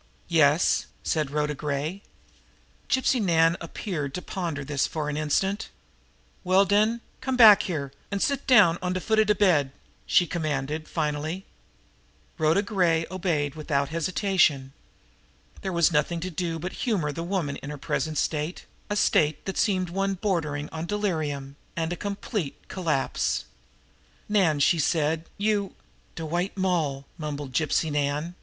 "Yes," said Rhoda Gray. Gypsy Nan appeared to ponder this for an instant. "Well den, come back here an' sit down on de foot of de bed," she commanded finally. Rhoda Gray obeyed without hesitation. There was nothing to do but humor the woman in her present state, a state that seemed one bordering on delirium and complete collapse. "Nan," she said, "you " "De White Moll!" mumbled Gypsy Nan.